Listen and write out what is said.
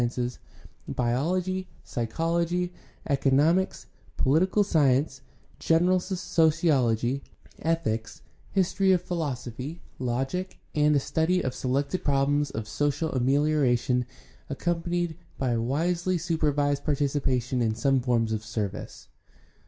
CHRISTIANITY AND SOCIAL PROBLEMS 701 biology, psychology, economics, political science, general sociology, ethics, history of philosophy, logic, and a study of selected problems of social amelioration accompanied by wisely supervised participation in some forms of service.